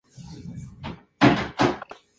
Se encuentra en Venezuela, Brasil y las Guayanas.